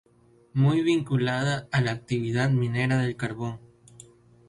Muy vinculada a la actividad minera del carbón.